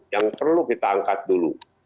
yang perlu kita angkat dulu